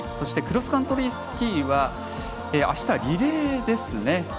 クロスカントリースキーはあしたはリレーですね。